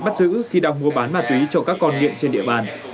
bắt giữ khi đang mua bán ma túy cho các con nghiện trên địa bàn